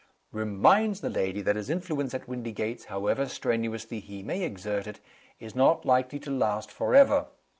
Reminds the lady that his influence at Windygates, however strenuously he may exert it, is not likely to last forever.